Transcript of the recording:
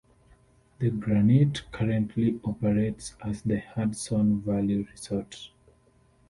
The Granit currently operates as the Hudson Valley Resort.